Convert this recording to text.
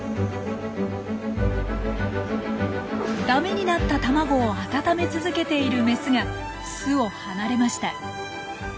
ダメになった卵を温め続けているメスが巣を離れました。